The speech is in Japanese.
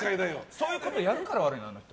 そういうことをやるから悪いのよ。